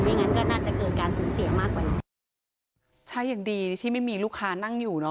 งั้นก็น่าจะเกิดการสูญเสียมากกว่านี้ใช่อย่างดีที่ไม่มีลูกค้านั่งอยู่เนอ